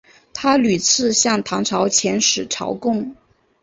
他屡次向唐朝遣使朝贡。